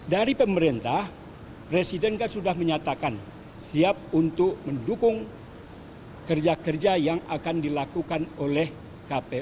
dari pemerintah presiden kan sudah menyatakan siap untuk mendukung kerja kerja yang akan dilakukan oleh kpu